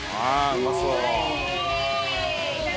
うまそう！